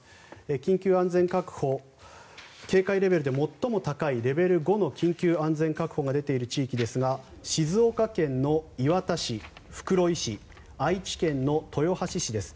緊急安全確保警戒レベルで最も高いレベル５の緊急安全確保が出ている地域ですが静岡県磐田市、袋井市愛知県の豊橋市です。